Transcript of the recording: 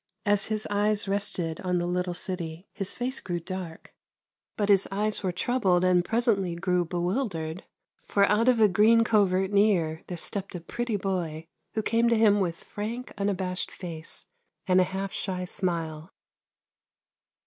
As his eyes rested on the little city his face grew dark, but his eyes were troubled and presently grew bewildered, for out of a green covert near there stepped a pretty boy, who came to him with frank, unabashed face and a half shy smile.